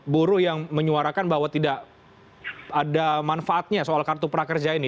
buruh yang menyuarakan bahwa tidak ada manfaatnya soal kartu prakerja ini